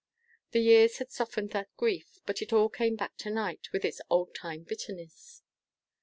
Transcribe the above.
The years had softened that grief, but it all came back to night with its old time bitterness.